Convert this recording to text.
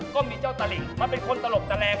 ก็มีเจ้าตลิ่งมาเป็นคนตลกตะแรง